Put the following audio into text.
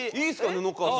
布川さん。